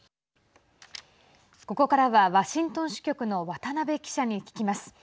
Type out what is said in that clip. ここからは、ワシントン支局の渡辺記者に聞きます。